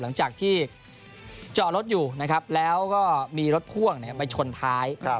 หลังจากที่จอดรถอยู่นะครับแล้วก็มีรถพ่วงไปชนท้าย